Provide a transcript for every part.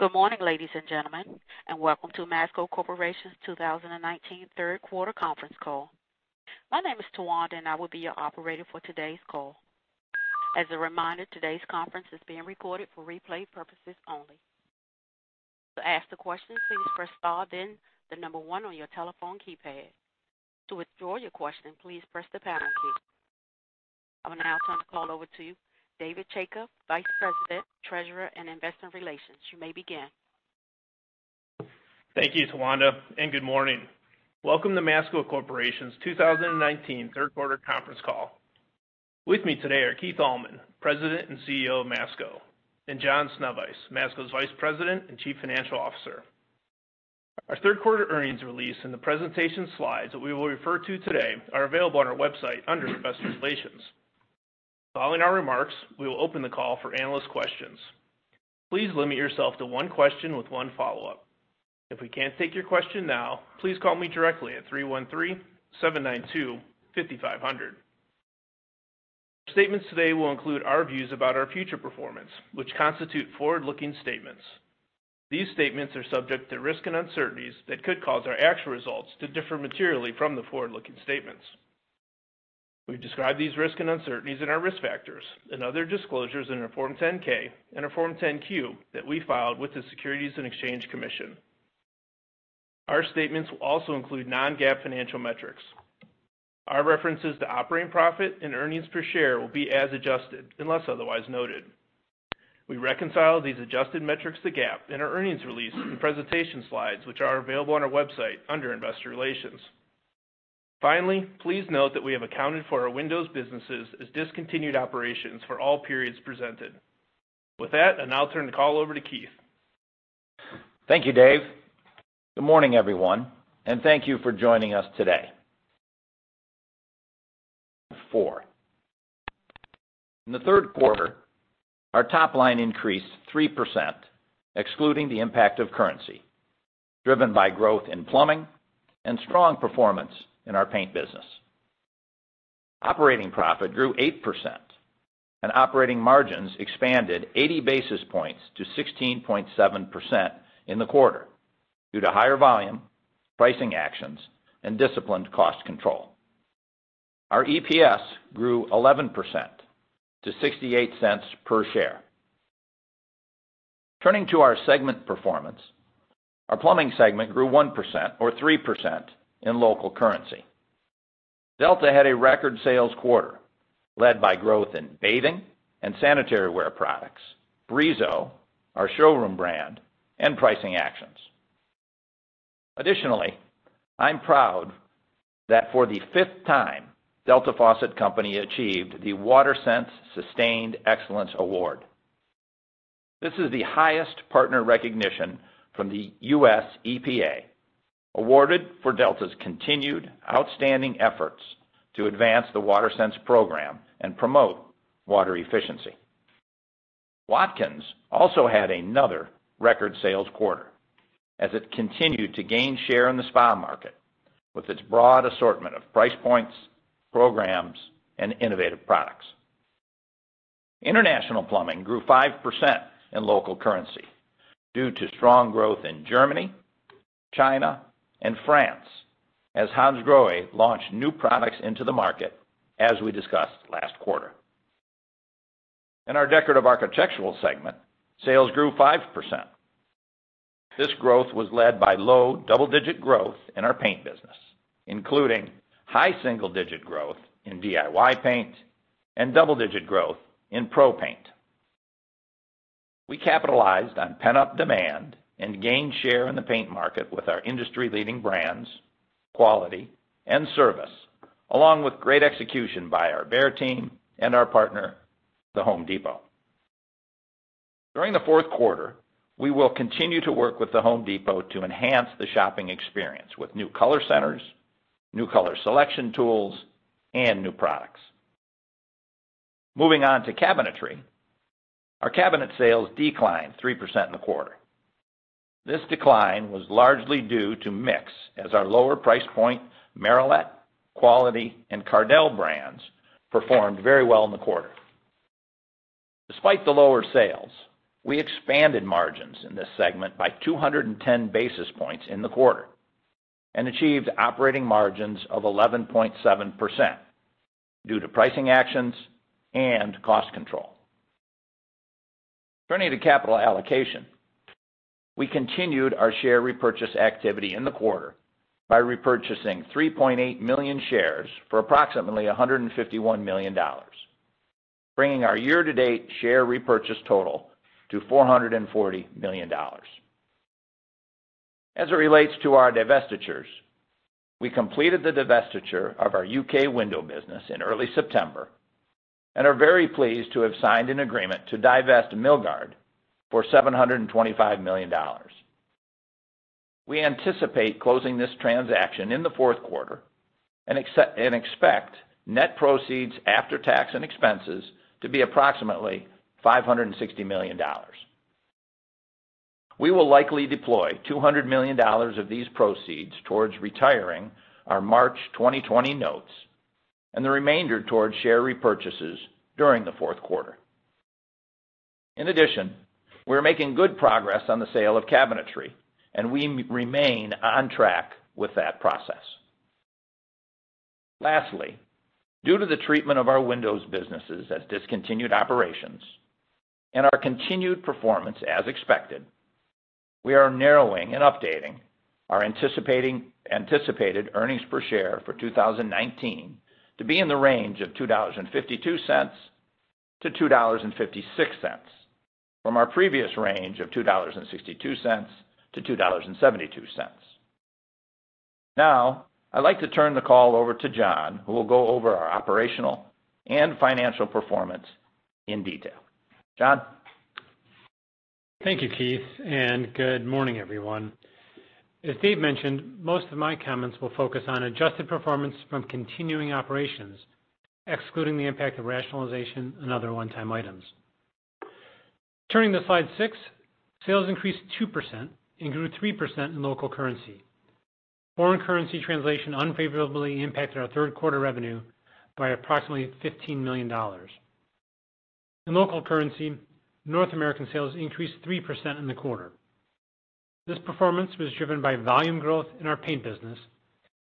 Good morning, ladies and gentlemen, and welcome to Masco Corporation's 2019 third quarter conference call. My name is Tawanda and I will be your operator for today's call. As a reminder, today's conference is being recorded for replay purposes only. To ask the question, please press star then the number one on your telephone keypad. To withdraw your question, please press the pound key. I will now turn the call over to you, David Chaika, Vice President, Treasurer and Investor Relations. You may begin. Thank you, Tawanda. Good morning. Welcome to Masco Corporation's 2019 third quarter conference call. With me today are Keith Allman, President and CEO of Masco, and John Sznewajs, Masco's Vice President and Chief Financial Officer. Our third quarter earnings release and the presentation slides that we will refer to today are available on our website under Investor Relations. Following our remarks, we will open the call for analyst questions. Please limit yourself to one question with one follow-up. If we can't take your question now, please call me directly at 313-792-5500. Statements today will include our views about our future performance, which constitute forward-looking statements. These statements are subject to risks and uncertainties that could cause our actual results to differ materially from the forward-looking statements. We've described these risks and uncertainties in our risk factors and other disclosures in our Form 10-K and our Form 10-Q that we filed with the Securities and Exchange Commission. Our statements will also include non-GAAP financial metrics. Our references to operating profit and earnings per share will be as adjusted unless otherwise noted. We reconcile these adjusted metrics to GAAP in our earnings release in presentation slides, which are available on our website under Investor Relations. Finally, please note that we have accounted for our Windows businesses as discontinued operations for all periods presented. With that, I now turn the call over to Keith. Thank you, Dave. Good morning, everyone, and thank you for joining us today. In the third quarter, our top line increased 3%, excluding the impact of currency, driven by growth in plumbing and strong performance in our paint business. Operating profit grew 8%, and operating margins expanded 80 basis points to 16.7% in the quarter due to higher volume, pricing actions, and disciplined cost control. Our EPS grew 11% to $0.68 per share. Turning to our segment performance, our plumbing segment grew 1%, or 3% in local currency. Delta had a record sales quarter led by growth in bathing and sanitary ware products, Brizo, our showroom brand, and pricing actions. Additionally, I'm proud that for the fifth time, Delta Faucet Company achieved the WaterSense Sustained Excellence Award. This is the highest partner recognition from the U.S. EPA, awarded for Delta's continued outstanding efforts to advance the WaterSense program and promote water efficiency. Watkins also had another record sales quarter as it continued to gain share in the spa market with its broad assortment of price points, programs, and innovative products. International Plumbing grew 5% in local currency due to strong growth in Germany, China, and France as Hansgrohe launched new products into the market, as we discussed last quarter. In our decorative architectural segment, sales grew 5%. This growth was led by low double-digit growth in our paint business, including high single-digit growth in DIY paint and double-digit growth in pro paint. We capitalized on pent-up demand and gained share in the paint market with our industry-leading brands, quality, and service, along with great execution by our Behr team and our partner, The Home Depot. During the fourth quarter, we will continue to work with The Home Depot to enhance the shopping experience with new color centers, new color selection tools, and new products. Moving on to cabinetry. Our cabinet sales declined 3% in the quarter. This decline was largely due to mix as our lower price point Merillat, Quality, and Cardell brands performed very well in the quarter. Despite the lower sales, we expanded margins in this segment by 210 basis points in the quarter and achieved operating margins of 11.7% due to pricing actions and cost control. Turning to capital allocation, we continued our share repurchase activity in the quarter by repurchasing 3.8 million shares for approximately $151 million, bringing our year-to-date share repurchase total to $440 million. As it relates to our divestitures, we completed the divestiture of our U.K. window business in early September and are very pleased to have signed an agreement to divest Milgard for $725 million. We anticipate closing this transaction in the fourth quarter and expect net proceeds after tax and expenses to be approximately $560 million. We will likely deploy $200 million of these proceeds towards retiring our March 2020 notes. The remainder towards share repurchases during the fourth quarter. In addition, we're making good progress on the sale of Cabinetry, and we remain on track with that process. Lastly, due to the treatment of our Windows businesses as discontinued operations and our continued performance as expected, we are narrowing and updating our anticipated earnings per share for 2019 to be in the range of $2.52-$2.56, from our previous range of $2.62-$2.72. Now I'd like to turn the call over to John, who will go over our operational and financial performance in detail. John? Thank you, Keith, and good morning, everyone. As Dave mentioned, most of my comments will focus on adjusted performance from continuing operations, excluding the impact of rationalization and other one-time items. Turning to slide six. Sales increased 2% and grew 3% in local currency. Foreign currency translation unfavorably impacted our third quarter revenue by approximately $15 million. In local currency, North American sales increased 3% in the quarter. This performance was driven by volume growth in our paint business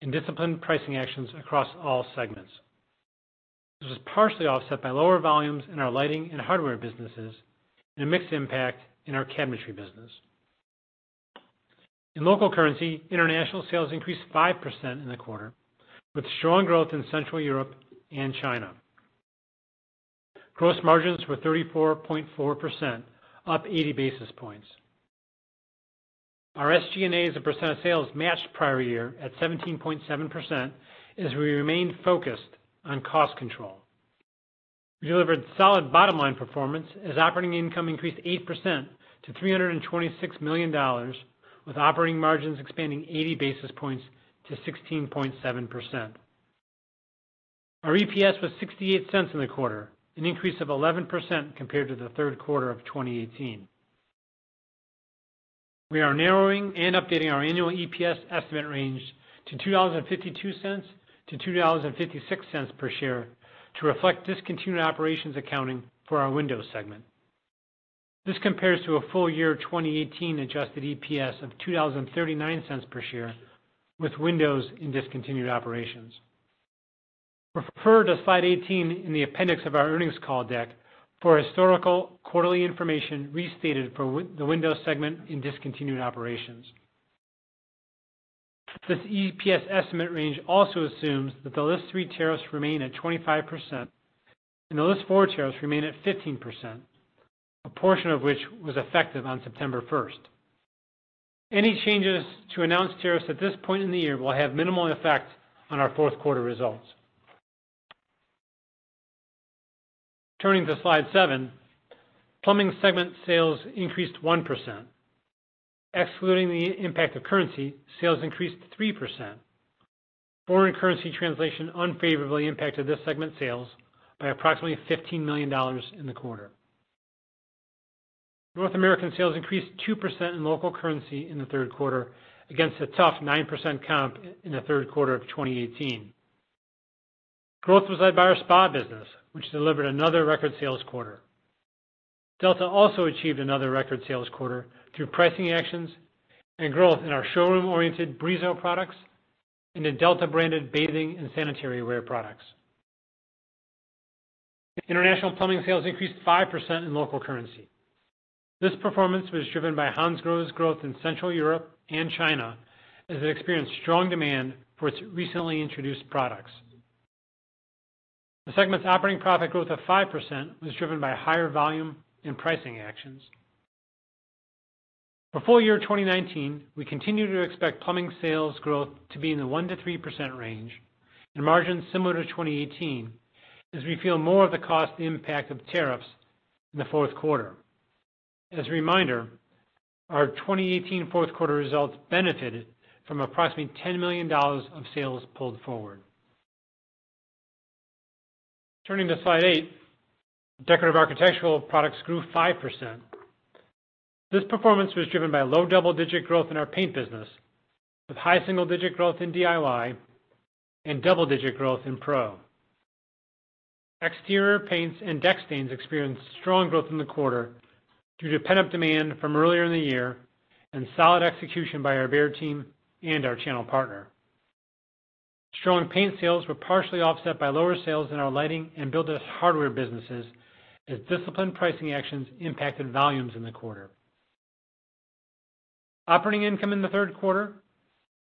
and disciplined pricing actions across all segments. This was partially offset by lower volumes in our lighting and hardware businesses and a mixed impact in our cabinetry business. In local currency, international sales increased 5% in the quarter, with strong growth in Central Europe and China. Gross margins were 34.4%, up 80 basis points. Our SG&A as a percent of sales matched prior year at 17.7% as we remained focused on cost control. We delivered solid bottom-line performance as operating income increased 8% to $326 million, with operating margins expanding 80 basis points to 16.7%. Our EPS was $0.68 in the quarter, an increase of 11% compared to the third quarter of 2018. We are narrowing and updating our annual EPS estimate range to $2.52-$2.56 per share to reflect discontinued operations accounting for our Windows segment. This compares to a full year 2018 adjusted EPS of $2.39 per share with Windows in discontinued operations. Refer to slide 18 in the appendix of our earnings call deck for historical quarterly information restated for the Windows segment in discontinued operations. This EPS estimate range also assumes that the List 3 tariffs remain at 25% and the List 4 tariffs remain at 15%, a portion of which was effective on September 1st. Any changes to announced tariffs at this point in the year will have minimal effect on our fourth quarter results. Turning to slide seven. Plumbing segment sales increased 1%. Excluding the impact of currency, sales increased 3%. Foreign currency translation unfavorably impacted this segment's sales by approximately $15 million in the quarter. North American sales increased 2% in local currency in the third quarter against a tough 9% comp in the third quarter of 2018. Growth was led by our spa business, which delivered another record sales quarter. Delta also achieved another record sales quarter through pricing actions and growth in our showroom-oriented Brizo products and the Delta-branded bathing and sanitary ware products. International plumbing sales increased 5% in local currency. This performance was driven by Hansgrohe's growth in Central Europe and China, as it experienced strong demand for its recently introduced products. The segment's operating profit growth of 5% was driven by higher volume and pricing actions. For full year 2019, we continue to expect plumbing sales growth to be in the 1%-3% range and margins similar to 2018 as we feel more of the cost impact of tariffs in the fourth quarter. As a reminder, our 2018 fourth quarter results benefited from approximately $10 million of sales pulled forward. Turning to slide eight. Decorative architectural products grew 5%. This performance was driven by low double-digit growth in our paint business, with high single-digit growth in DIY and double-digit growth in pro. Exterior paints and deck stains experienced strong growth in the quarter due to pent-up demand from earlier in the year and solid execution by our Behr team and our channel partner. Strong paint sales were partially offset by lower sales in our lighting and builders hardware businesses as disciplined pricing actions impacted volumes in the quarter. Operating income in the third quarter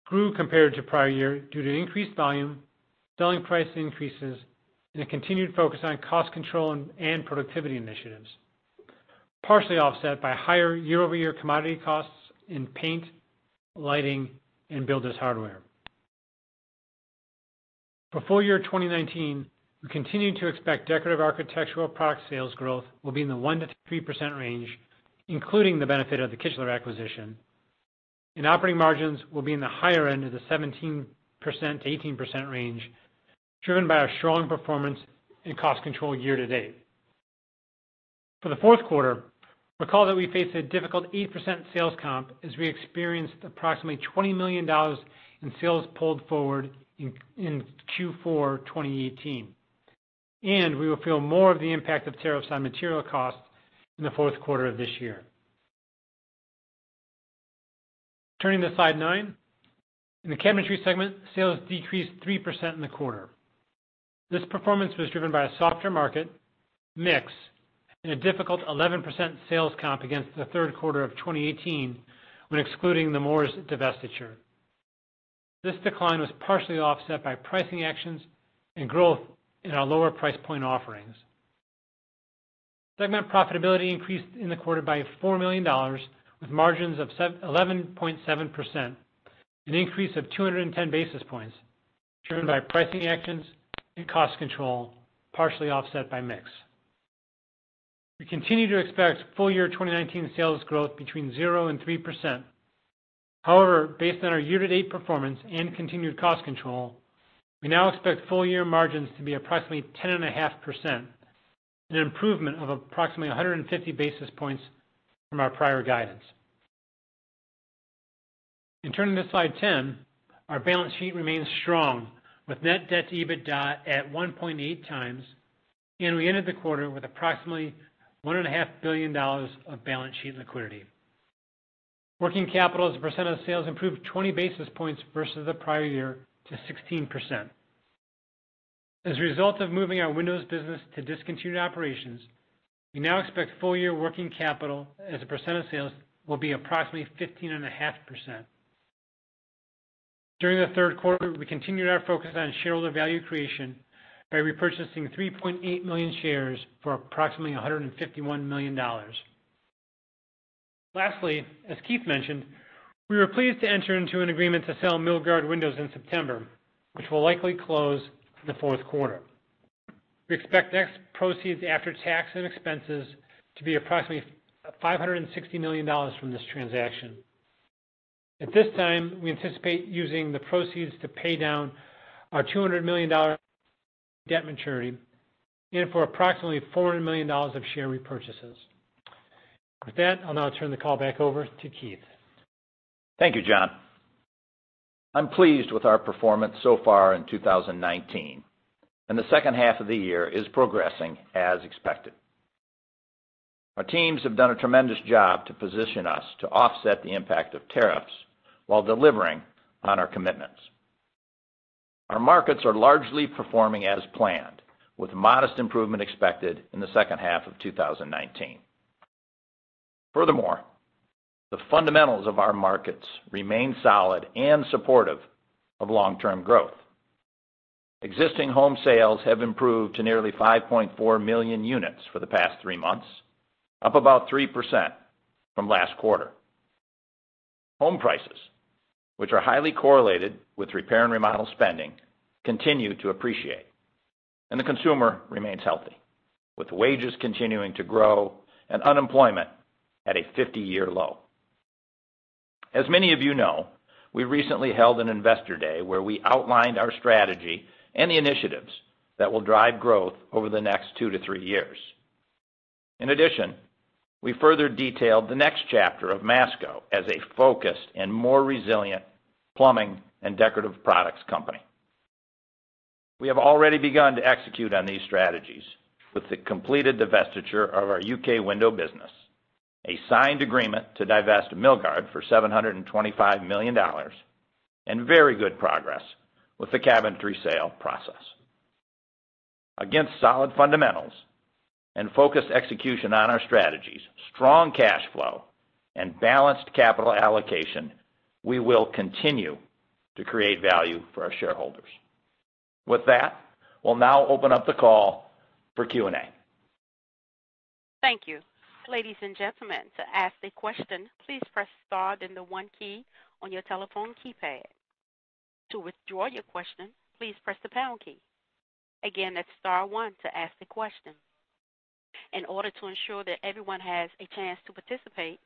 grew compared to prior year due to increased volume, selling price increases, and a continued focus on cost control and productivity initiatives, partially offset by higher year-over-year commodity costs in paint, lighting, and builders hardware. For full year 2019, we continue to expect decorative architectural product sales growth will be in the 1%-3% range, including the benefit of the Kichler acquisition, and operating margins will be in the higher end of the 17%-18% range, driven by our strong performance in cost control year to date. For the fourth quarter, recall that we faced a difficult 8% sales comp as we experienced approximately $20 million in sales pulled forward in Q4 2018. We will feel more of the impact of tariffs on material costs in the fourth quarter of this year. Turning to slide nine. In the Cabinetry segment, sales decreased 3% in the quarter. This performance was driven by a softer market, mix, and a difficult 11% sales comp against the third quarter of 2018 when excluding the Moores divestiture. This decline was partially offset by pricing actions and growth in our lower price point offerings. Segment profitability increased in the quarter by $4 million, with margins of 11.7%, an increase of 210 basis points driven by pricing actions and cost control, partially offset by mix. We continue to expect full year 2019 sales growth between 0 and 3%. However, based on our year-to-date performance and continued cost control, we now expect full year margins to be approximately 10.5%, an improvement of approximately 150 basis points from our prior guidance. In turning to slide 10, our balance sheet remains strong with net debt to EBITDA at 1.8x, and we ended the quarter with approximately $1.5 billion of balance sheet liquidity. Working capital as a percent of sales improved 20 basis points versus the prior year to 16%. As a result of moving our Windows business to discontinued operations, we now expect full year working capital as a percent of sales will be approximately 15.5%. During the third quarter, we continued our focus on shareholder value creation by repurchasing 3.8 million shares for approximately $151 million. Lastly, as Keith mentioned, we were pleased to enter into an agreement to sell Milgard Windows in September, which will likely close in the fourth quarter. We expect net proceeds after tax and expenses to be approximately $560 million from this transaction. At this time, we anticipate using the proceeds to pay down our $200 million debt maturity and for approximately $400 million of share repurchases. With that, I'll now turn the call back over to Keith. Thank you, John. I'm pleased with our performance so far in 2019, and the second half of the year is progressing as expected. Our teams have done a tremendous job to position us to offset the impact of tariffs while delivering on our commitments. Our markets are largely performing as planned, with modest improvement expected in the second half of 2019. Furthermore, the fundamentals of our markets remain solid and supportive of long-term growth. Existing home sales have improved to nearly 5.4 million units for the past three months, up about 3% from last quarter. Home prices, which are highly correlated with repair and remodel spending, continue to appreciate, and the consumer remains healthy, with wages continuing to grow and unemployment at a 50-year low. As many of you know, we recently held an investor day where we outlined our strategy and the initiatives that will drive growth over the next two to three years. In addition, we further detailed the next chapter of Masco as a focused and more resilient plumbing and decorative products company. We have already begun to execute on these strategies with the completed divestiture of our UK Window business, a signed agreement to divest Milgard for $725 million, and very good progress with the Cabinetry sale process. Against solid fundamentals and focused execution on our strategies, strong cash flow, and balanced capital allocation, we will continue to create value for our shareholders. With that, we'll now open up the call for Q&A. Thank you. Ladies and gentlemen, to ask a question, please press star then the one key on your telephone keypad. To withdraw your question, please press the pound key. Again, that's star one to ask a question. In order to ensure that everyone has a chance to participate,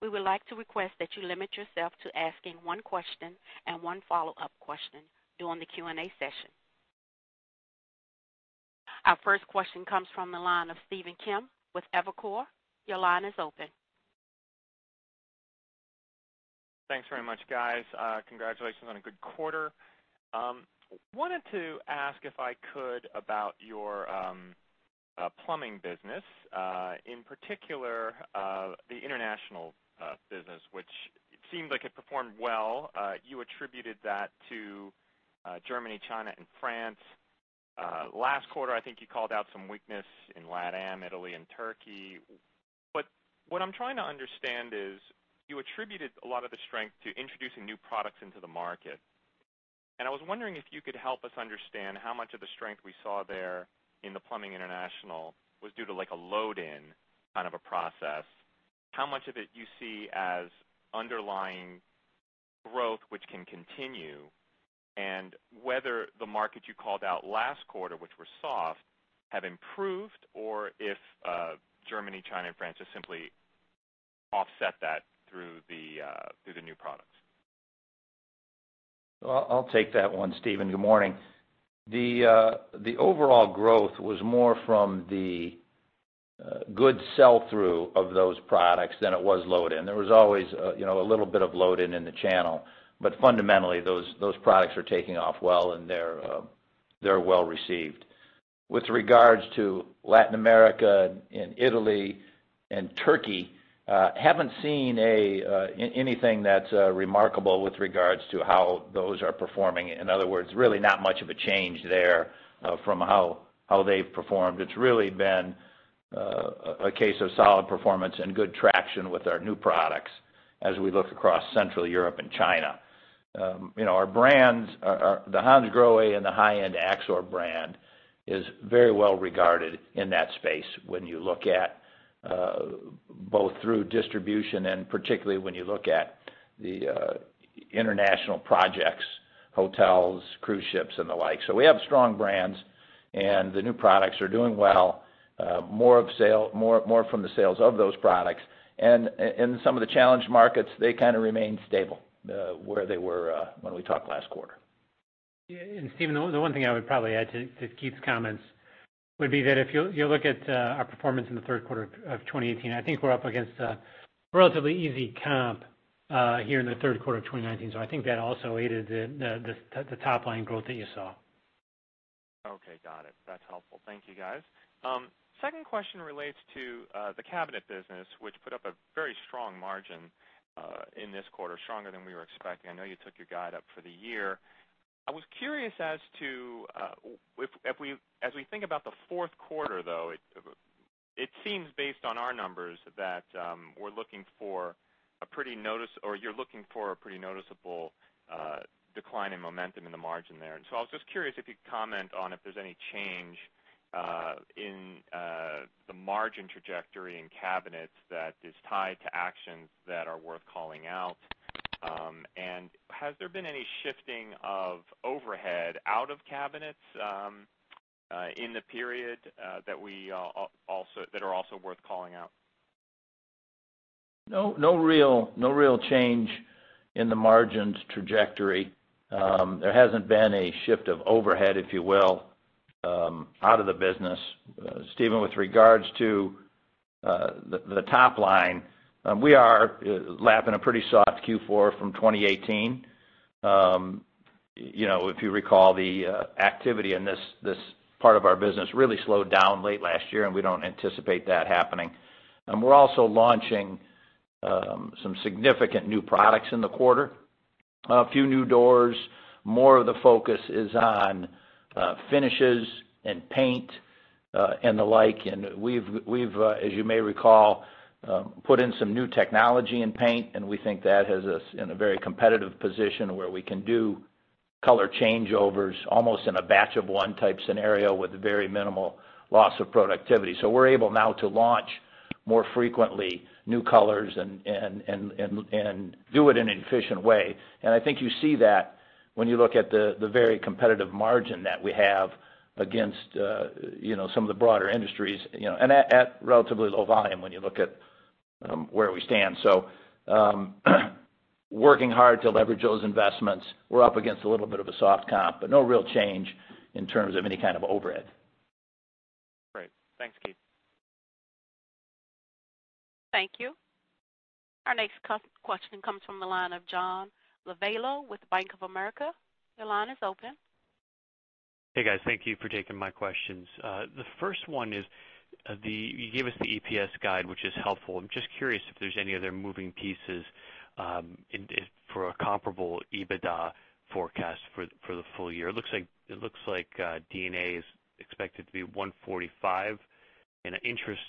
we would like to request that you limit yourself to asking one question and one follow-up question during the Q&A session. Our first question comes from the line of Stephen Kim with Evercore. Your line is open. Thanks very much, guys. Congratulations on a good quarter. Wanted to ask, if I could, about your plumbing business, in particular, the international business, which it seemed like it performed well. You attributed that to Germany, China, and France. Last quarter, I think you called out some weakness in LATAM, Italy, and Turkey. What I'm trying to understand is, you attributed a lot of the strength to introducing new products into the market. I was wondering if you could help us understand how much of the strength we saw there in the plumbing international was due to a load in kind of a process. How much of it you see as underlying growth which can continue, and whether the markets you called out last quarter, which were soft, have improved, or if Germany, China, and France have simply offset that through the new products? I'll take that one, Stephen. Good morning. The overall growth was more from the good sell-through of those products than it was load in. There was always a little bit of load in in the channel, but fundamentally, those products are taking off well, and they're well-received. With regards to Latin America and Italy and Turkey, haven't seen anything that's remarkable with regards to how those are performing. In other words, really not much of a change there from how they've performed. It's really been a case of solid performance and good traction with our new products as we look across Central Europe and China. Our brands, the Hansgrohe and the high-end AXOR brand, is very well regarded in that space when you look at both through distribution and particularly when you look at the international projects, hotels, cruise ships, and the like. We have strong brands, and the new products are doing well. More from the sales of those products. In some of the challenged markets, they kind of remain stable where they were when we talked last quarter. Stephen, the one thing I would probably add to Keith's comments would be that if you look at our performance in the third quarter of 2018, I think we're up against a relatively easy comp here in the third quarter of 2019. I think that also aided the top-line growth that you saw. Okay, got it. That's helpful. Thank you, guys. Second question relates to the cabinet business, which put up a very strong margin in this quarter, stronger than we were expecting. I know you took your guide up for the year. I was curious as to, as we think about the fourth quarter, though, it seems based on our numbers that you're looking for a pretty noticeable decline in momentum in the margin there. I was just curious if you'd comment on if there's any change in the margin trajectory in cabinets that is tied to actions that are worth calling out. Has there been any shifting of overhead out of cabinets in the period that are also worth calling out? No real change in the margins trajectory. There hasn't been a shift of overhead, if you will, out of the business. Stephen, with regards to the top line, we are lapping a pretty soft Q4 from 2018. If you recall, the activity in this part of our business really slowed down late last year. We don't anticipate that happening. We're also launching some significant new products in the quarter. A few new doors. More of the focus is on finishes and paint and the like. We've, as you may recall, put in some new technology in paint, and we think that has us in a very competitive position where we can do color changeovers almost in a batch of type one scenario with very minimal loss of productivity. We're able now to launch more frequently new colors and do it in an efficient way. I think you see that when you look at the very competitive margin that we have against some of the broader industries, and at relatively low volume, when you look at where we stand. Working hard to leverage those investments. We're up against a little bit of a soft comp, but no real change in terms of any kind of overhead. Great. Thanks, Keith. Thank you. Our next question comes from the line of John Lovallo with Bank of America. Your line is open. Hey, guys. Thank you for taking my questions. The first one is, you gave us the EPS guide, which is helpful. I'm just curious if there's any other moving pieces for a comparable EBITDA forecast for the full year. It looks like D&A is expected to be $145, and interest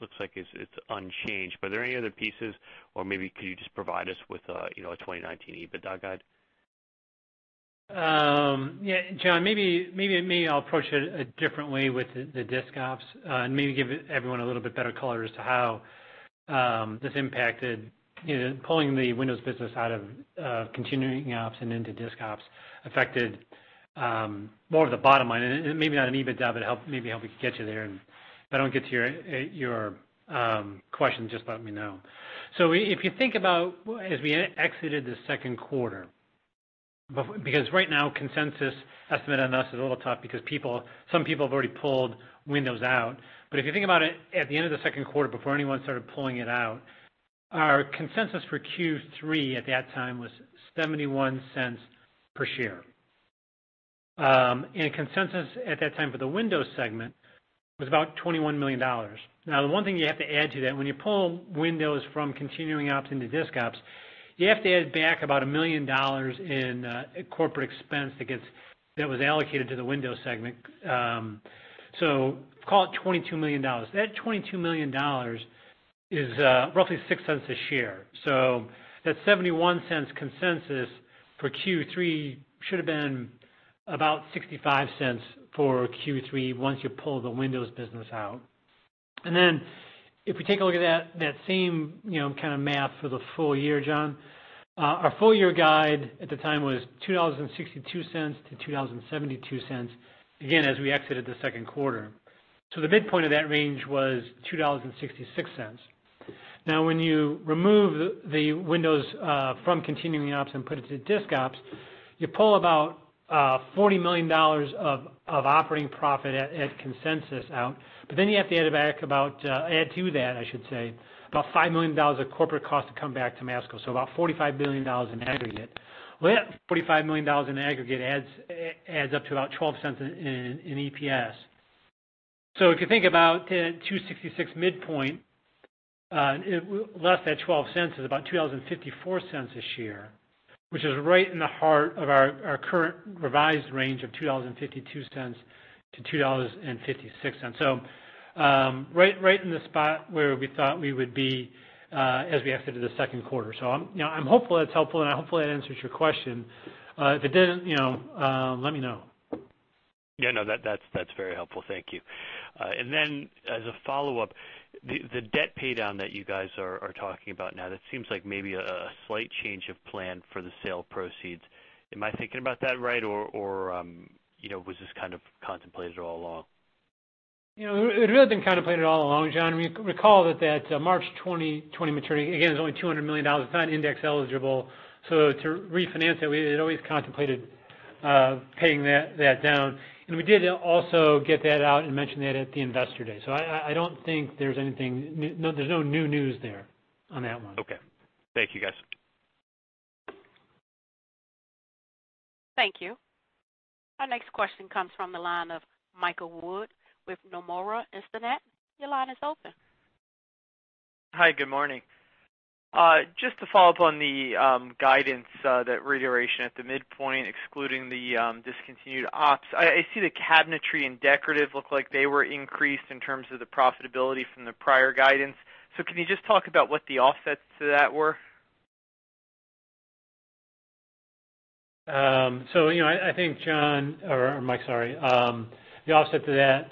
looks like it's unchanged. Are there any other pieces, or maybe could you just provide us with a 2019 EBITDA guide? John, maybe I'll approach it a different way with the discontinued operations, and maybe give everyone a little bit better color as to how this impacted pulling the Windows business out of continuing ops and into discontinued operations affected more of the bottom line. Maybe not an EBITDA, but maybe how we could get you there. If I don't get to your question, just let me know. If you think about as we exited the second quarter, because right now consensus estimate on us is a little tough because some people have already pulled Windows out. If you think about it at the end of the second quarter before anyone started pulling it out, our consensus for Q3 at that time was $0.71 per share. Consensus at that time for the Windows segment was about $21 million. The one thing you have to add to that, when you pull Milgard from continuing operations into discontinued operations, you have to add back $1 million in corporate expense that was allocated to the Milgard segment. Call it $22 million. That $22 million is roughly $0.06 a share. That $0.71 consensus for Q3 should've been about $0.65 for Q3 once you pull the Milgard business out. If we take a look at that same kind of math for the full year, John, our full year guide at the time was $2.62-$2.72, again, as we exited the second quarter. The midpoint of that range was $2.66. When you remove the Milgard from continuing operations and put it to discontinued operations, you pull about $40 million of operating profit at consensus out. You have to add to that, I should say, about $5 million of corporate cost to come back to Masco. About $45 million in aggregate. That $45 million in aggregate adds up to about $0.12 in EPS. If you think about $2.66 midpoint, less that $0.12 is about $2.54 a share, which is right in the heart of our current revised range of $2.52-$2.56. Right in the spot where we thought we would be as we entered the second quarter. I'm hopeful that's helpful, and hopefully that answers your question. If it didn't, let me know. Yeah, no, that's very helpful. Thank you. Then as a follow-up, the debt pay down that you guys are talking about now, that seems like maybe a slight change of plan for the sale proceeds. Am I thinking about that right, or was this kind of contemplated all along? It really been contemplated all along, John. Recall that March 2020 maturity, again, is only $200 million. It's not index eligible. To refinance it, we had always contemplated paying that down. We did also get that out and mention that at the Investor Day. I don't think there's no new news there on that one. Okay. Thank you, guys. Thank you. Our next question comes from the line of Michael Wood with Nomura Instinet. Your line is open. Hi, good morning. Just to follow up on the guidance, that reiteration at the midpoint, excluding the discontinued ops, I see the cabinetry and decorative look like they were increased in terms of the profitability from the prior guidance. Can you just talk about what the offsets to that were? I think, John, or Mike, sorry. The offset to that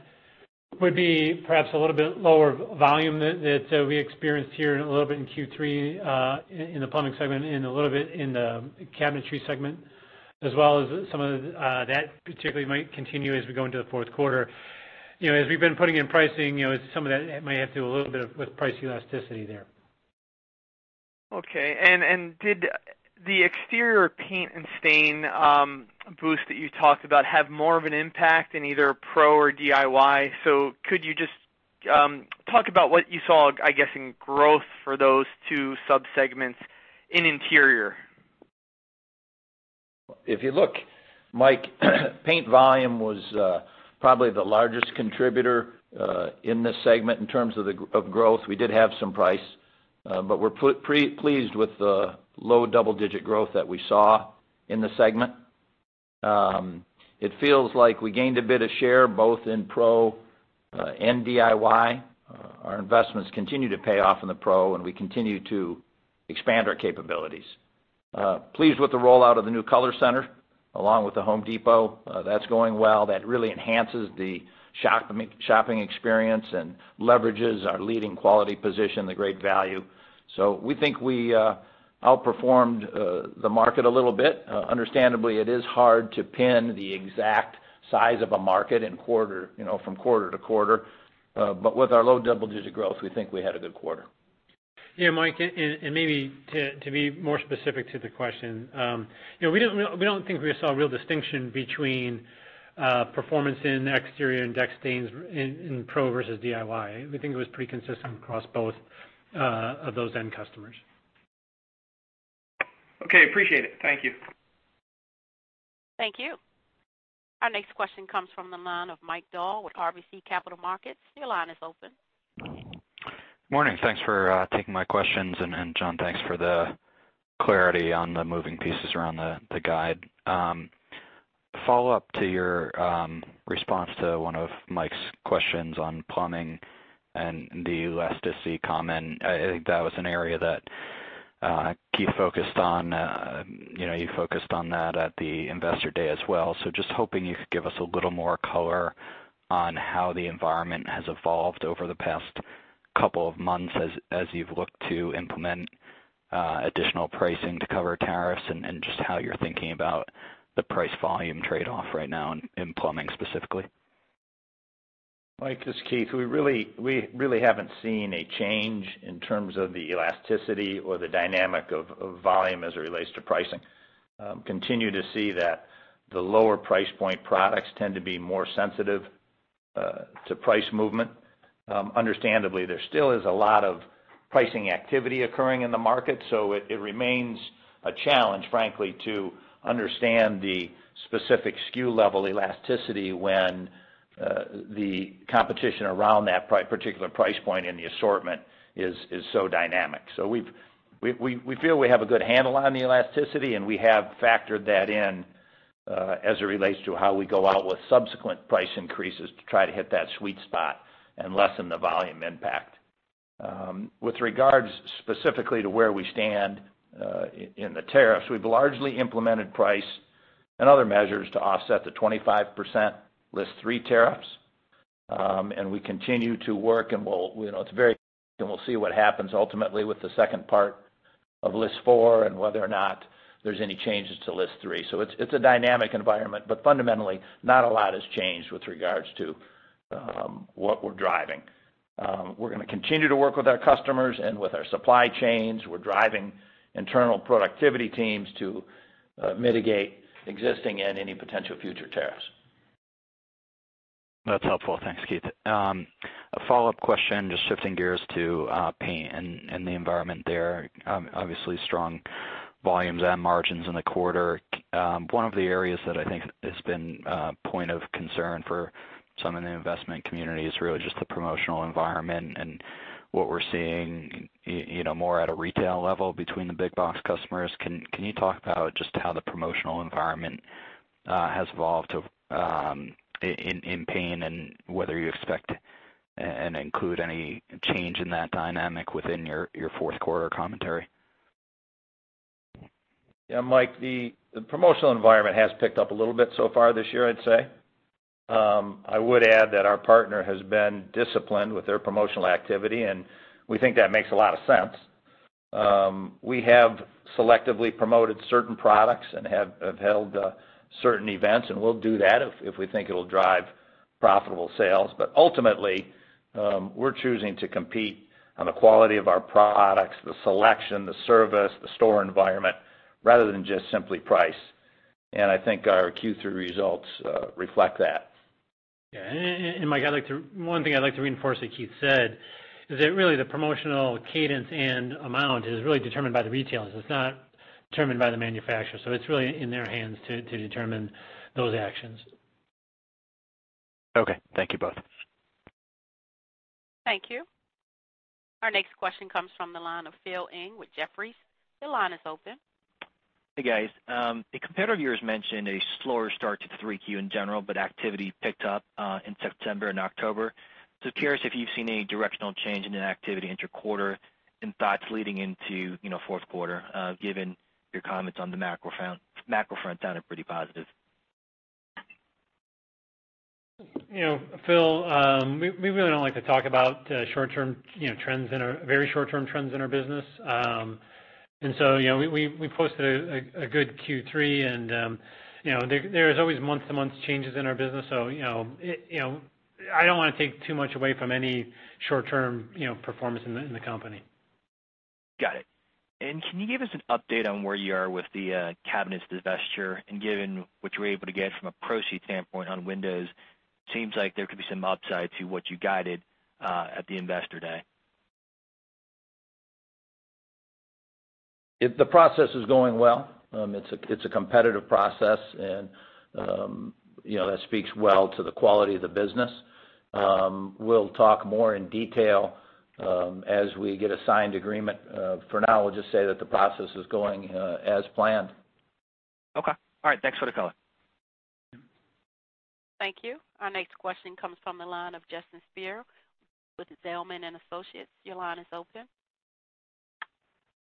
would be perhaps a little bit lower volume that we experienced here a little bit in Q3, in the plumbing segment, and a little bit in the cabinetry segment, as well as some of that particularly might continue as we go into the fourth quarter. As we've been putting in pricing, some of that might have to do a little bit with price elasticity there. Okay. Did the exterior paint and stain boost that you talked about have more of an impact in either pro or DIY? Could you just talk about what you saw, I guess, in growth for those two sub-segments in interior? If you look, Mike, paint volume was probably the largest contributor in this segment in terms of growth. We did have some price. We're pleased with the low double-digit growth that we saw in the segment. It feels like we gained a bit of share both in pro and DIY. Our investments continue to pay off in the pro, and we continue to expand our capabilities. Pleased with the rollout of the new Color Center, along with The Home Depot. That's going well. That really enhances the shopping experience and leverages our leading quality position, the great value. We think we outperformed the market a little bit. Understandably, it is hard to pin the exact size of a market from quarter-to-quarter. With our low double-digit growth, we think we had a good quarter. Yeah, Mike, maybe to be more specific to the question. We don't think we saw a real distinction between performance in exterior and deck stains in pro versus DIY. We think it was pretty consistent across both of those end customers. Okay, appreciate it. Thank you. Thank you. Our next question comes from the line of Mike Dahl with RBC Capital Markets. Your line is open. Morning. Thanks for taking my questions, John, thanks for the clarity on the moving pieces around the guide. Follow-up to your response to one of Mike's questions on plumbing and the elasticity comment. I think that was an area that Keith focused on. You focused on that at the Investor Day as well. Just hoping you could give us a little more color on how the environment has evolved over the past couple of months as you've looked to implement additional pricing to cover tariffs, and just how you're thinking about the price-volume trade-off right now in plumbing specifically. Mike, this is Keith. We really haven't seen a change in terms of the elasticity or the dynamic of volume as it relates to pricing. Continue to see that the lower price point products tend to be more sensitive to price movement. Understandably, there still is a lot of pricing activity occurring in the market, so it remains a challenge, frankly, to understand the specific SKU level elasticity when the competition around that particular price point in the assortment is so dynamic. We feel we have a good handle on the elasticity, and we have factored that in, as it relates to how we go out with subsequent price increases to try to hit that sweet spot and lessen the volume impact. With regards specifically to where we stand in the tariffs, we've largely implemented price and other measures to offset the 25% List 3 tariffs. We continue to work, and we'll see what happens ultimately with the second part of List 4 and whether or not there's any changes to List 3. It's a dynamic environment, but fundamentally, not a lot has changed with regards to what we're driving. We're going to continue to work with our customers and with our supply chains. We're driving internal productivity teams to mitigate existing and any potential future tariffs. That's helpful. Thanks, Keith. A follow-up question, just shifting gears to paint and the environment there. Obviously strong volumes and margins in the quarter. One of the areas that I think has been a point of concern for some in the investment community is really just the promotional environment and what we're seeing more at a retail level between the big box customers. Can you talk about just how the promotional environment has evolved in paint and whether you expect and include any change in that dynamic within your fourth quarter commentary? Mike, the promotional environment has picked up a little bit so far this year, I'd say. I would add that our partner has been disciplined with their promotional activity, we think that makes a lot of sense. We have selectively promoted certain products and have held certain events, we'll do that if we think it'll drive profitable sales. Ultimately, we're choosing to compete on the quality of our products, the selection, the service, the store environment, rather than just simply price. I think our Q3 results reflect that. Yeah, Mike, one thing I'd like to reinforce that Keith said is that really the promotional cadence and amount is really determined by the retailers. It's not determined by the manufacturer, it's really in their hands to determine those actions. Okay. Thank you both. Thank you. Our next question comes from the line of Phil Ng with Jefferies. Your line is open. Hey, guys. A competitor of yours mentioned a slower start to 3Q in general, but activity picked up in September and October. Curious if you've seen any directional change in the activity inter-quarter and thoughts leading into fourth quarter, given your comments on the macro front sounded pretty positive. Phil, we really don't like to talk about very short-term trends in our business. We posted a good Q3 and there's always month-to-month changes in our business, so I don't want to take too much away from any short-term performance in the company. Got it. Can you give us an update on where you are with the Cabinets divestiture and given what you were able to get from a proceed standpoint on Windows, seems like there could be some upside to what you guided at the investor day. The process is going well. It's a competitive process and that speaks well to the quality of the business. We'll talk more in detail as we get a signed agreement. For now, we'll just say that the process is going as planned. Okay. All right. Thanks for the color. Thank you. Our next question comes from the line of Justin Speer with Zelman & Associates. Your line is open.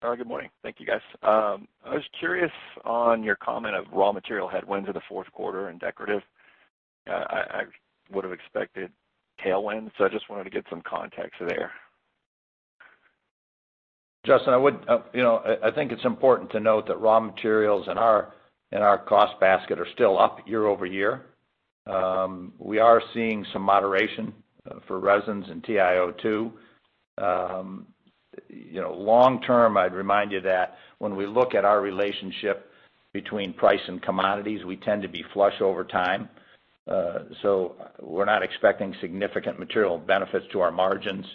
All right, good morning. Thank you, guys. I was curious on your comment of raw material headwinds in the fourth quarter in Decorative. I would've expected tailwinds, so I just wanted to get some context there. Justin, I think it's important to note that raw materials in our cost basket are still up year-over-year. We are seeing some moderation for resins and TIO2. Long term, I'd remind you that when we look at our relationship between price and commodities, we tend to be flush over time. We're not expecting significant material benefits to our margins.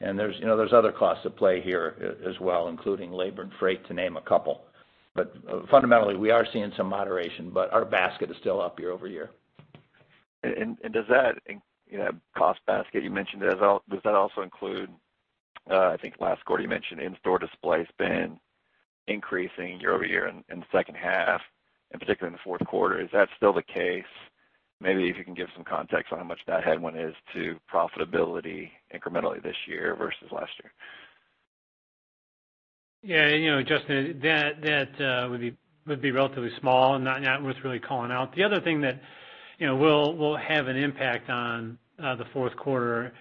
There's other costs at play here as well, including labor and freight, to name a couple. Fundamentally, we are seeing some moderation, but our basket is still up year-over-year. Does that cost basket you mentioned, does that also include, I think last quarter you mentioned in-store display spend increasing year-over-year in the second half, in particular in the fourth quarter. Is that still the case? Maybe if you can give some context on how much that headwind is to profitability incrementally this year versus last year. Yeah, Justin, that would be relatively small. Not worth really calling out. The other thing that will have an impact on the fourth quarter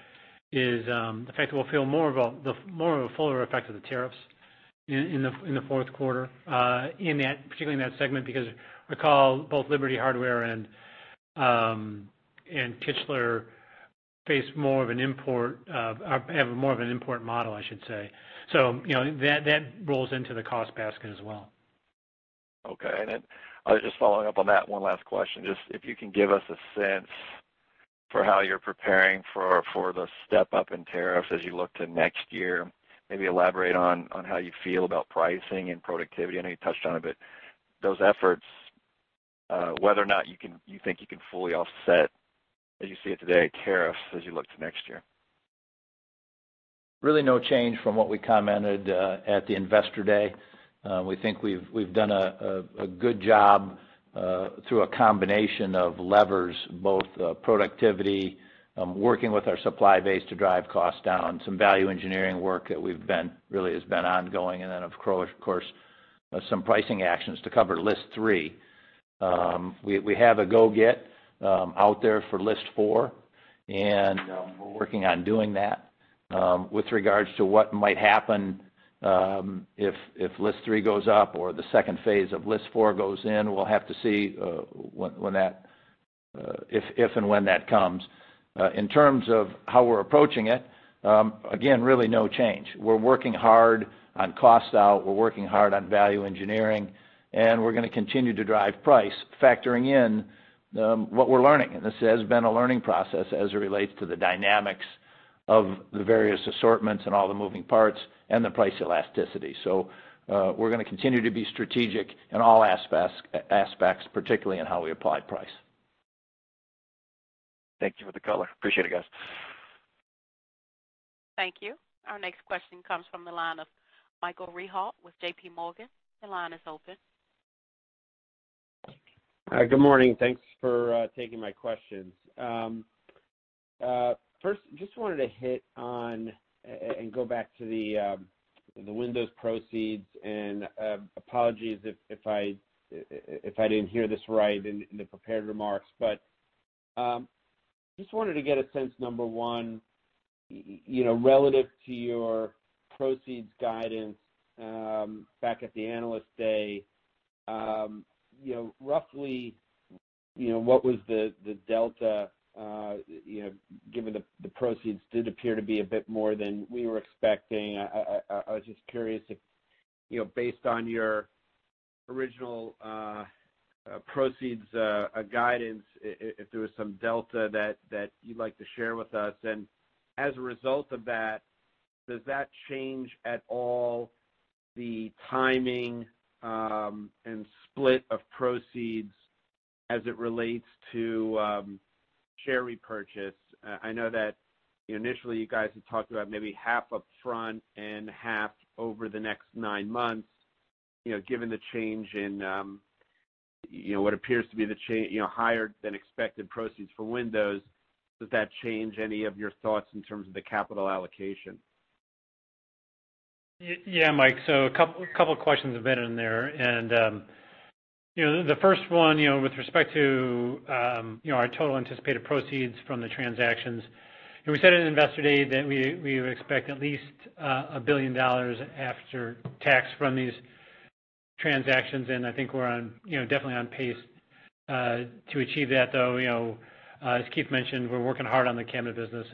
is the fact that we'll feel more of a fuller effect of the tariffs in the fourth quarter. Particularly in that segment, because recall both Liberty Hardware and Kichler have more of an import model, I should say. That rolls into the cost basket as well. Okay. Just following up on that, one last question. Just if you can give us a sense for how you're preparing for the step-up in tariffs as you look to next year. Maybe elaborate on how you feel about pricing and productivity. I know you touched on a bit. Those efforts, whether or not you think you can fully offset, as you see it today, tariffs as you look to next year. Really no change from what we commented at the investor day. We think we've done a good job through a combination of levers, both productivity, working with our supply base to drive costs down, some value engineering work that really has been ongoing, and then of course, some pricing actions to cover List 3. We have a go-get out there for List 4, and we're working on doing that. With regards to what might happen if List 3 goes up or the second phase of List 4 goes in, we'll have to see if and when that comes. In terms of how we're approaching it, again, really no change. We're working hard on cost out, we're working hard on value engineering, and we're going to continue to drive price, factoring in what we're learning. This has been a learning process as it relates to the dynamics of the various assortments and all the moving parts and the price elasticity. We're going to continue to be strategic in all aspects, particularly in how we apply price. Thank you for the color. Appreciate it, guys. Thank you. Our next question comes from the line of Michael Rehaut with JPMorgan. Your line is open. Hi, good morning. Thanks for taking my questions. First, just wanted to hit on and go back to the Windows proceeds, and apologies if I didn't hear this right in the prepared remarks. Just wanted to get a sense, number one, relative to your proceeds guidance back at the Analyst Day, roughly, what was the delta? Given the proceeds did appear to be a bit more than we were expecting. I was just curious if, based on your original proceeds guidance, if there was some delta that you'd like to share with us. As a result of that, does that change at all the timing and split of proceeds as it relates to share repurchase? I know that initially you guys had talked about maybe half upfront and half over the next nine months. Given the change in what appears to be the higher than expected proceeds for Windows, does that change any of your thoughts in terms of the capital allocation? Yeah, Mike. A couple questions have been in there. The first one with respect to our total anticipated proceeds from the transactions. We said at Investor Day that we would expect at least $1 billion after tax from these transactions. I think we're definitely on pace to achieve that, though as Keith mentioned, we're working hard on the cabinet business.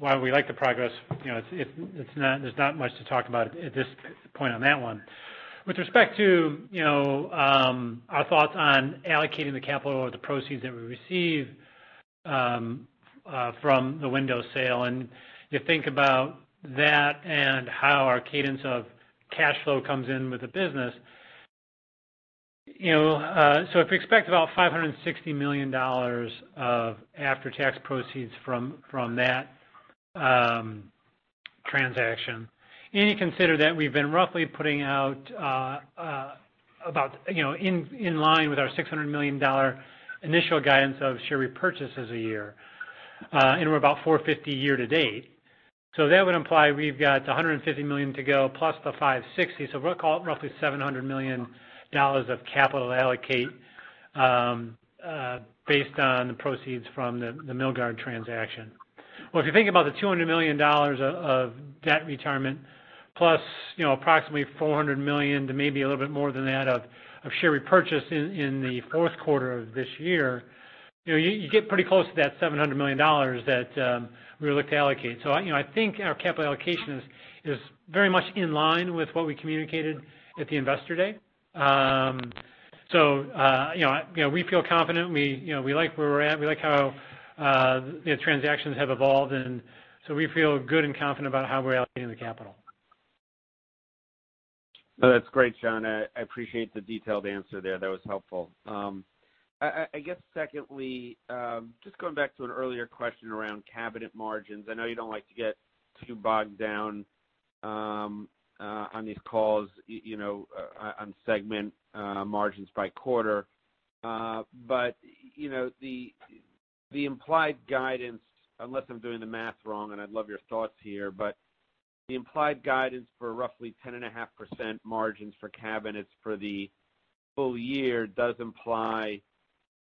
While we like the progress, there's not much to talk about at this point on that one. With respect to our thoughts on allocating the capital or the proceeds that we receive from the Windows sale, you think about that and how our cadence of cash flow comes in with the business. If we expect about $560 million of after-tax proceeds from that transaction, and you consider that we've been roughly putting out about in line with our $600 million initial guidance of share repurchases a year, and we're about $450 million year to date. That would imply we've got $150 million to go plus the $560 million. We'll call it roughly $700 million of capital to allocate based on the proceeds from the Milgard transaction. Well, if you think about the $200 million of debt retirement plus approximately $400 million to maybe a little bit more than that of share repurchase in the fourth quarter of this year. You get pretty close to that $700 million that we looked to allocate. I think our capital allocation is very much in line with what we communicated at the Investor Day. We feel confident. We like where we're at. We like how the transactions have evolved, and so we feel good and confident about how we're allocating the capital. No, that's great, John. I appreciate the detailed answer there. That was helpful. Secondly, just going back to an earlier question around cabinet margins. The implied guidance, unless I'm doing the math wrong, and I'd love your thoughts here, but the implied guidance for roughly 10.5% margins for cabinets for the full year does imply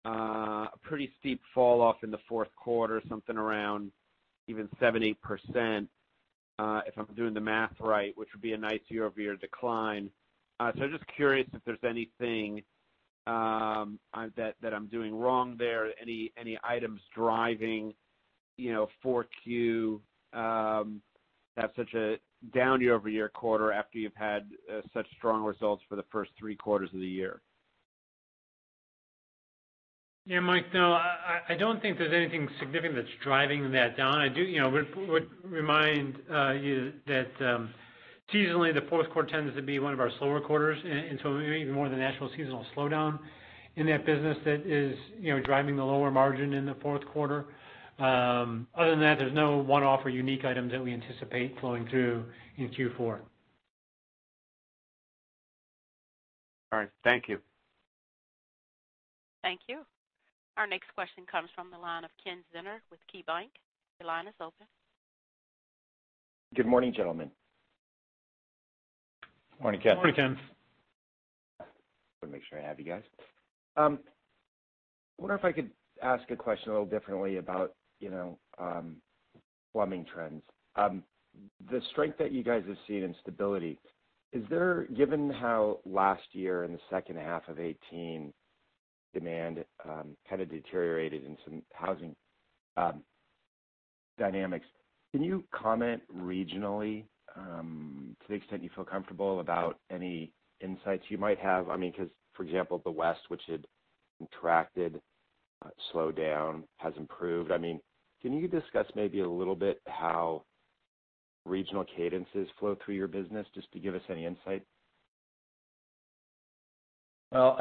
a pretty steep falloff in the fourth quarter, something around even 7%-8%, if I'm doing the math right, which would be a nice year-over-year decline. I'm just curious if there's anything that I'm doing wrong there, any items driving 4Q to have such a down year-over-year quarter after you've had such strong results for the first three quarters of the year. Yeah, Mike, no, I don't think there's anything significant that's driving that down. I would remind you that seasonally, the fourth quarter tends to be one of our slower quarters, and so maybe even more than natural seasonal slowdown in that business that is driving the lower margin in the fourth quarter. Other than that, there's no one-off or unique item that we anticipate flowing through in Q4. All right. Thank you. Thank you. Our next question comes from the line of Ken Zener with KeyBanc. Your line is open. Good morning, gentlemen. Morning, Ken. Morning, Ken. Wanted to make sure I have you guys. Wonder if I could ask a question a little differently about plumbing trends. The strength that you guys have seen in stability, given how last year in the second half of 2018, demand kind of deteriorated in some housing dynamics, can you comment regionally, to the extent you feel comfortable, about any insights you might have? Because for example, the West, which had contracted, slowed down, has improved. Can you discuss maybe a little bit how regional cadences flow through your business, just to give us any insight? Well,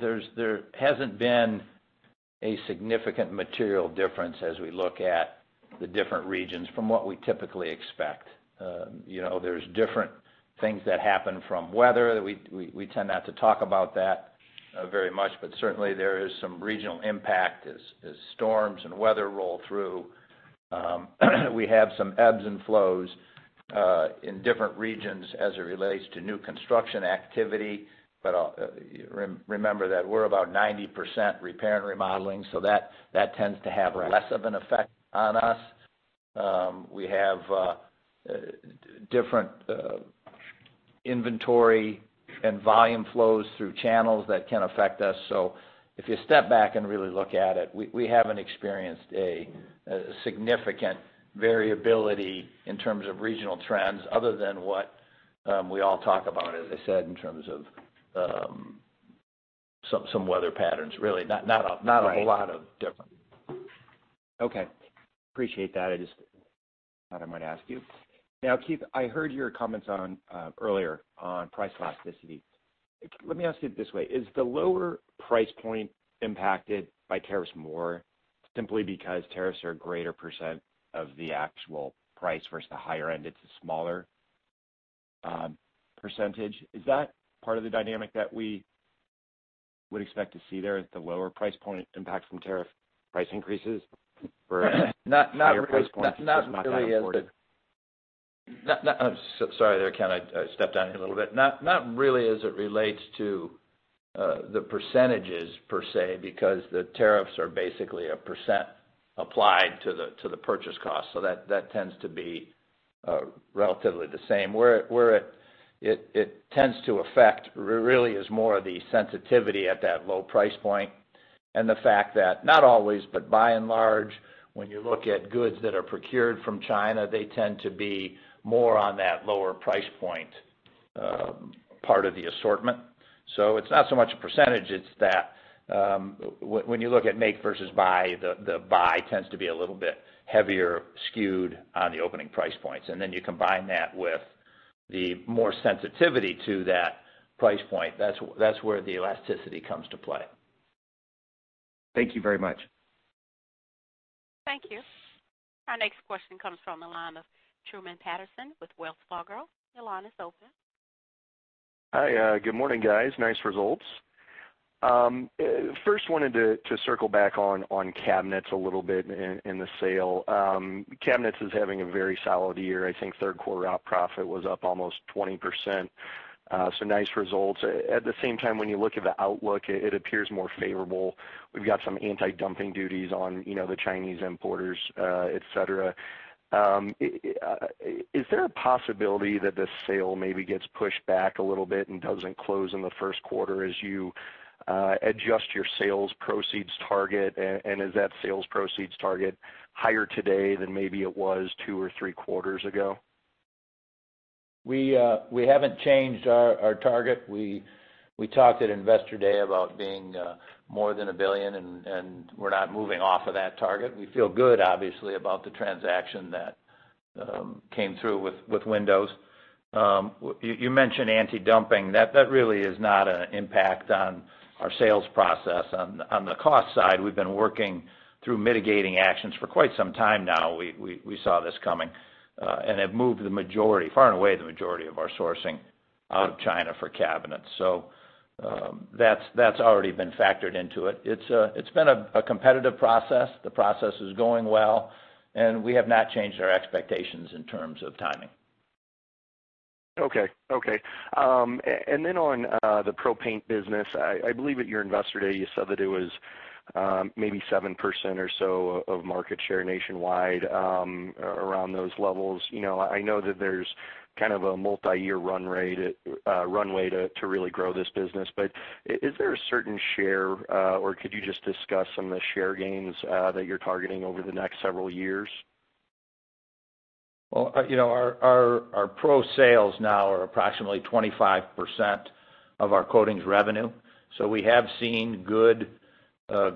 there hasn't been a significant material difference as we look at the different regions from what we typically expect. There's different things that happen from weather. We tend not to talk about that very much. Certainly there is some regional impact as storms and weather roll through. We have some ebbs and flows, in different regions as it relates to new construction activity. Remember that we're about 90% repair and remodeling. That tends to have less of an effect on us. We have different inventory and volume flows through channels that can affect us. If you step back and really look at it, we haven't experienced a significant variability in terms of regional trends other than what we all talk about, as I said, in terms of some weather patterns. Not a whole lot of difference. Okay. Appreciate that. I just thought I might ask you. Now, Keith, I heard your comments earlier on price elasticity. Let me ask you this way: Is the lower price point impacted by tariffs more simply because tariffs are a greater percent of the actual price versus the higher end, it's a smaller percentage? Is it part of the dynamic that we expect to see there if the lower price point impacts from tariffs price increases. Not really as it- Higher price points it's just not that important? Sorry there, Ken, I stepped on you a little bit. Not really as it relates to the percentages per se, because the tariffs are basically a percent applied to the purchase cost. That tends to be relatively the same. Where it tends to affect really is more of the sensitivity at that low price point, and the fact that not always, but by and large, when you look at goods that are procured from China, they tend to be more on that lower price point part of the assortment. It's not so much a percentage, it's that when you look at make versus buy, the buy tends to be a little bit heavier skewed on the opening price points. You combine that with the more sensitivity to that price point. That's where the elasticity comes to play. Thank you very much. Thank you. Our next question comes from the line of Truman Patterson with Wells Fargo. Your line is open. Hi, good morning, guys. Nice results. First wanted to circle back on cabinets a little bit and the sale. Cabinets is having a very solid year. I think third quarter op profit was up almost 20%. Nice results. At the same time, when you look at the outlook, it appears more favorable. We've got some anti-dumping duties on the Chinese importers, et cetera. Is there a possibility that this sale maybe gets pushed back a little bit and doesn't close in the first quarter as you adjust your sales proceeds target? Is that sales proceeds target higher today than maybe it was two or three quarters ago? We haven't changed our target. We talked at Investor Day about being more than $1 billion, and we're not moving off of that target. We feel good, obviously, about the transaction that came through with Windows. You mentioned anti-dumping. That really is not an impact on our sales process. On the cost side, we've been working through mitigating actions for quite some time now. We saw this coming, and have moved the majority, far and away the majority of our sourcing out of China for cabinets. That's already been factored into it. It's been a competitive process. The process is going well, and we have not changed our expectations in terms of timing. Okay. On the pro paint business, I believe at your Investor Day, you said that it was maybe 7% or so of market share nationwide, around those levels. I know that there's kind of a multi-year runway to really grow this business. Is there a certain share, or could you just discuss some of the share gains that you're targeting over the next several years? Well, our pro sales now are approximately 25% of our coatings revenue. We have seen good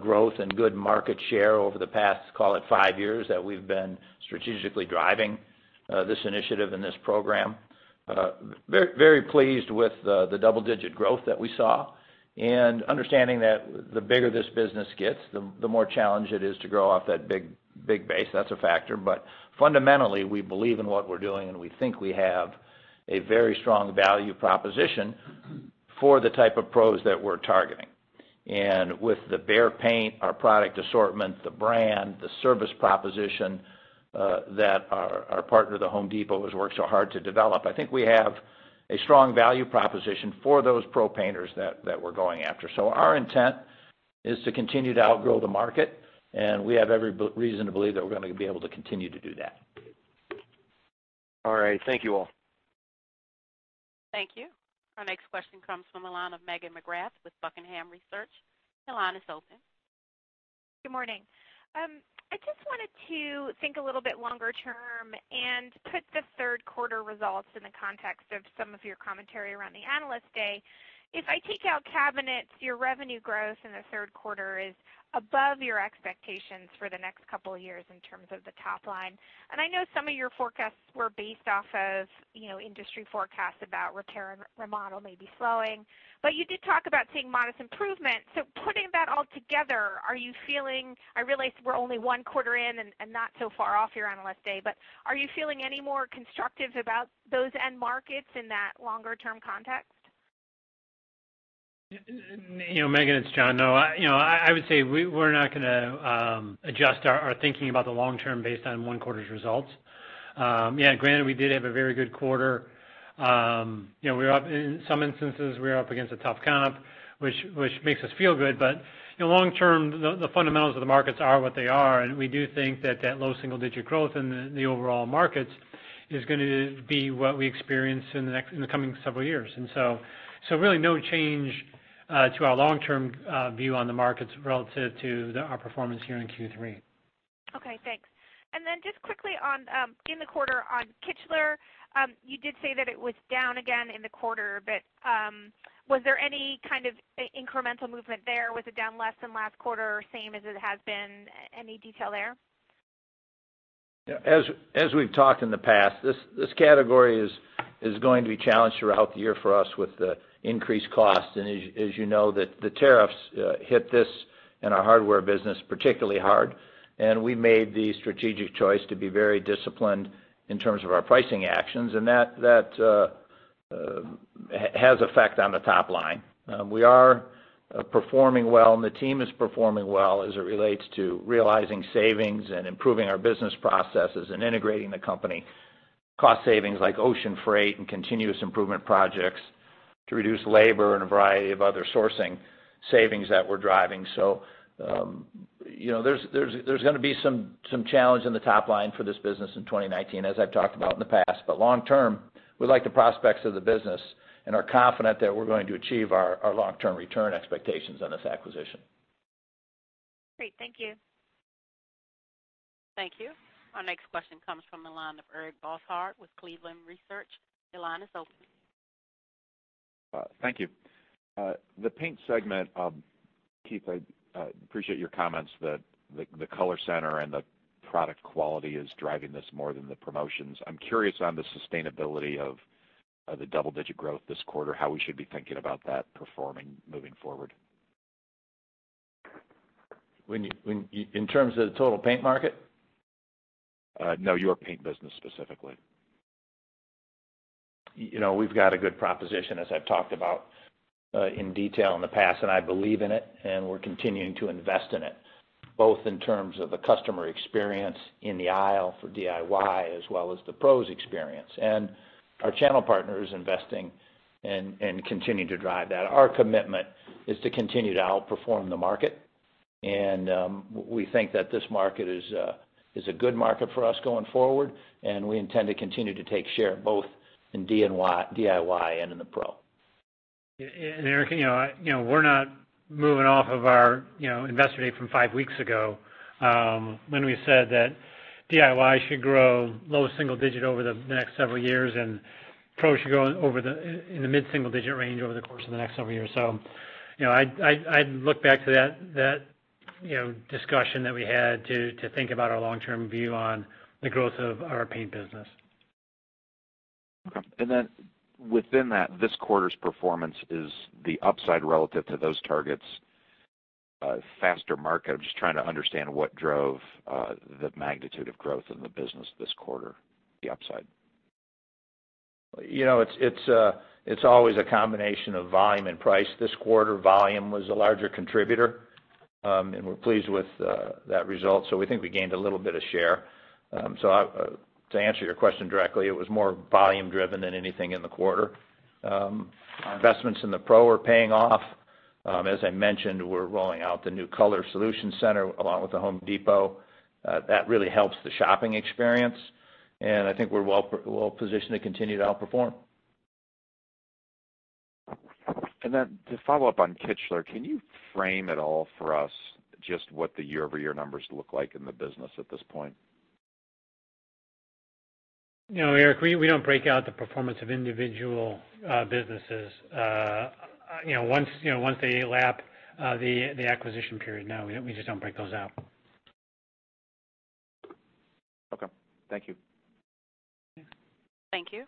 growth and good market share over the past, call it five years, that we've been strategically driving this initiative and this program. Very pleased with the double-digit growth that we saw. Understanding that the bigger this business gets, the more challenge it is to grow off that big base, that's a factor. Fundamentally, we believe in what we're doing, and we think we have a very strong value proposition for the type of pros that we're targeting. With the Behr paint, our product assortment, the brand, the service proposition that our partner, The Home Depot, has worked so hard to develop, I think we have a strong value proposition for those pro painters that we're going after. Our intent is to continue to outgrow the market, and we have every reason to believe that we're going to be able to continue to do that. All right. Thank you all. Thank you. Our next question comes from the line of Megan McGrath with Buckingham Research. Your line is open. Good morning. I just wanted to think a little bit longer term and put the third quarter results in the context of some of your commentary around the Analyst Day. If I take out cabinets, your revenue growth in the third quarter is above your expectations for the next couple of years in terms of the top line. I know some of your forecasts were based off of industry forecasts about repair and remodel may be slowing. You did talk about seeing modest improvement. Putting that all together, are you feeling I realize we're only one quarter in and not so far off your Analyst Day, but are you feeling any more constructive about those end markets in that longer-term context? Megan, it's John. I would say we're not going to adjust our thinking about the long term based on one quarter's results. Yeah, granted, we did have a very good quarter. In some instances, we were up against a tough comp, which makes us feel good. Long term, the fundamentals of the markets are what they are, and we do think that that low single-digit growth in the overall markets is going to be what we experience in the coming several years. Really no change to our long-term view on the markets relative to our performance here in Q3. Okay, thanks. Then just quickly in the quarter on Kichler, you did say that it was down again in the quarter. Was there any kind of incremental movement there? Was it down less than last quarter or same as it has been? Any detail there? As we've talked in the past, this category is going to be challenged throughout the year for us with the increased cost. As you know, the tariffs hit this and our hardware business particularly hard, and we made the strategic choice to be very disciplined in terms of our pricing actions, and that has effect on the top line. We are performing well, and the team is performing well as it relates to realizing savings and improving our business processes and integrating the company cost savings like ocean freight and continuous improvement projects to reduce labor and a variety of other sourcing savings that we're driving. There's going to be some challenge in the top line for this business in 2019, as I've talked about in the past. Long term, we like the prospects of the business and are confident that we're going to achieve our long-term return expectations on this acquisition. Great. Thank you. Thank you. Our next question comes from the line of Eric Bosshard with Cleveland Research. Your line is open. Thank you. The paint segment, Keith, I appreciate your comments that the Color Center and the product quality is driving this more than the promotions. I'm curious on the sustainability of the double-digit growth this quarter, how we should be thinking about that performing moving forward. In terms of the total paint market? No, your paint business specifically. We've got a good proposition, as I've talked about in detail in the past, and I believe in it, and we're continuing to invest in it, both in terms of the customer experience in the aisle for DIY as well as the pros experience. Our channel partner is investing and continuing to drive that. Our commitment is to continue to outperform the market, and we think that this market is a good market for us going forward, and we intend to continue to take share both in DIY and in the pro. Eric, we're not moving off of our Investor Day from five weeks ago, when we said that DIY should grow low single-digit over the next several years, and pro should grow in the mid-single-digit range over the course of the next several years. I'd look back to that discussion that we had to think about our long-term view on the growth of our paint business. Okay. Within that, this quarter's performance, is the upside relative to those targets a faster market? I'm just trying to understand what drove the magnitude of growth in the business this quarter, the upside? It's always a combination of volume and price. This quarter, volume was the larger contributor, and we're pleased with that result. We think we gained a little bit of share. To answer your question directly, it was more volume driven than anything in the quarter. Investments in the pro are paying off. As I mentioned, we're rolling out the new Color Solutions Center along with The Home Depot. That really helps the shopping experience, and I think we're well-positioned to continue to outperform. Then to follow up on Kichler, can you frame at all for us just what the year-over-year numbers look like in the business at this point? Eric, we don't break out the performance of individual businesses. Once they lap the acquisition period, no, we just don't break those out. Okay. Thank you. Thank you.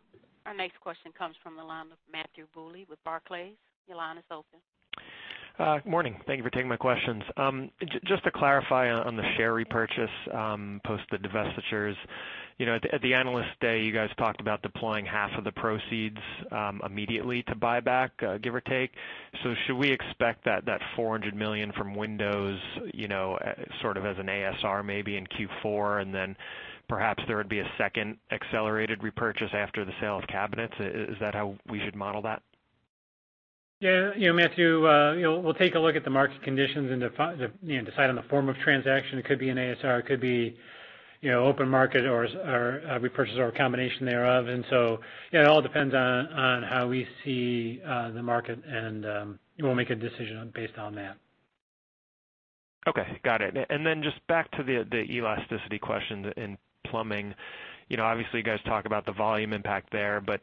Our next question comes from the line of Matthew Bouley with Barclays. Your line is open. Good morning. Thank you for taking my questions. Just to clarify on the share repurchase, post the divestitures. At the Analyst Day, you guys talked about deploying half of the proceeds immediately to buy back, give or take. Should we expect that $400 million from Windows sort of as an ASR, maybe in Q4, and then perhaps there would be a second accelerated repurchase after the sale of cabinets? Is that how we should model that? Yeah. Matthew, we'll take a look at the market conditions and decide on the form of transaction. It could be an ASR, it could be open market, or a repurchase, or a combination thereof. It all depends on how we see the market, and we'll make a decision based on that. Okay, got it. Just back to the elasticity question in plumbing. Obviously, you guys talk about the volume impact there, but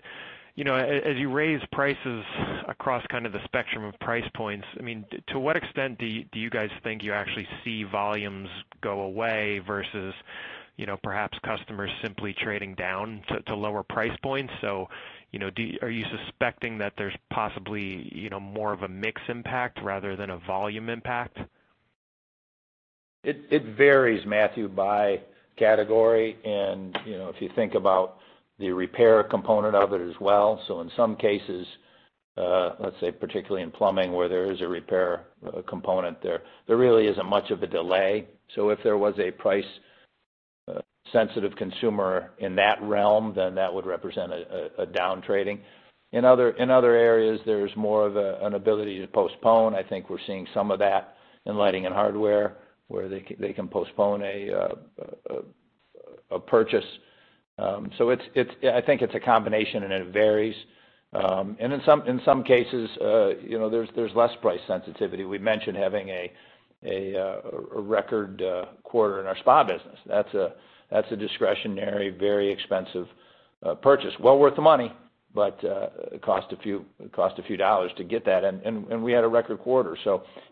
as you raise prices across kind of the spectrum of price points, to what extent do you guys think you actually see volumes go away versus perhaps customers simply trading down to lower price points? Are you suspecting that there's possibly more of a mix impact rather than a volume impact? It varies, Matthew, by category and if you think about the repair component of it as well. In some cases, let's say particularly in plumbing where there is a repair component there really isn't much of a delay. If there was a price-sensitive consumer in that realm, then that would represent a down trading. In other areas, there's more of an ability to postpone. I think we're seeing some of that in lighting and hardware where they can postpone a purchase. I think it's a combination, and it varies. In some cases, there's less price sensitivity. We mentioned having a record quarter in our spa business. That's a discretionary, very expensive purchase, well worth the money, but it cost a few dollars to get that, and we had a record quarter.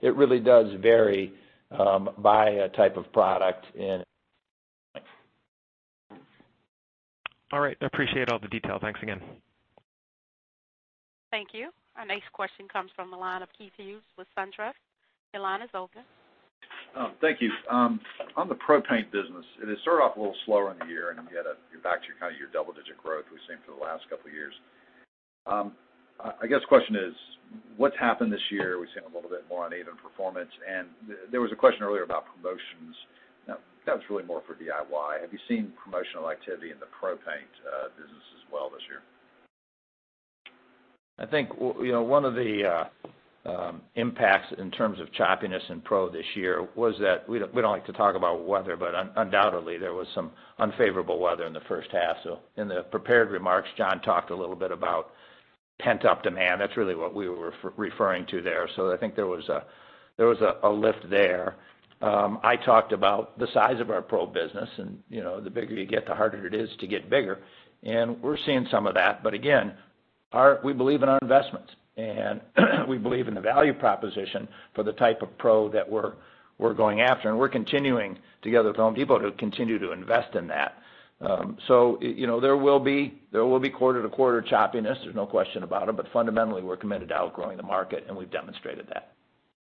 It really does vary by type of product. All right. I appreciate all the detail. Thanks again. Thank you. Our next question comes from the line of Keith Hughes with SunTrust. Your line is open. Thank you. On the pro paint business, it started off a little slower in the year, then we had you back to kind of your double-digit growth we've seen for the last couple of years. I guess the question is, what's happened this year? We've seen a little bit more uneven performance, there was a question earlier about promotions. Now, that was really more for DIY. Have you seen promotional activity in the pro paint business as well this year? I think one of the impacts in terms of choppiness in pro this year was that, we don't like to talk about weather, but undoubtedly, there was some unfavorable weather in the first half. In the prepared remarks, John talked a little bit about pent-up demand. That's really what we were referring to there. I think there was a lift there. I talked about the size of our pro business and the bigger you get, the harder it is to get bigger. We're seeing some of that. Again, we believe in our investments, and we believe in the value proposition for the type of pro that we're going after. We're continuing to go to people who continue to invest in that. There will be quarter-to-quarter choppiness, there's no question about it. Fundamentally, we're committed to outgrowing the market, and we've demonstrated that.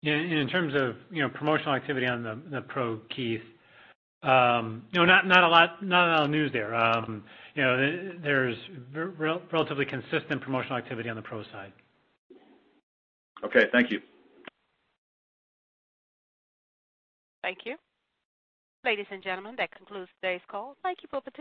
In terms of promotional activity on the pro, Keith, not a lot of news there. There's relatively consistent promotional activity on the pro side. Okay. Thank you. Thank you. Ladies and gentlemen, that concludes today's call. Thank you for participating.